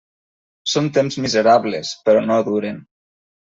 Són temps miserables, però no duren.